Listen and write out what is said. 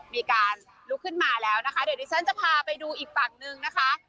มีการลุกขึ้นมาแล้วนะคะเดี๋ยวดิฉันจะพาไปดูอีกฝั่งนึงนะคะ